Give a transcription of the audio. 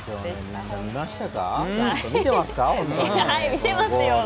見てますよ。